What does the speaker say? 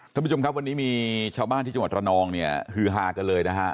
ท่านผู้ชมครับวันนี้มีชาวบ้านที่จังหวัดระนองเนี่ยฮือฮากันเลยนะฮะ